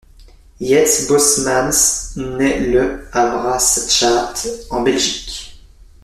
Wietse Bosmans naît le à Brasschaat en Belgique.